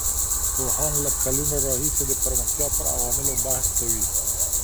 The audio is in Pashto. پوهان له کلونو راهيسې د پرمختيا پر عواملو بحث کوي.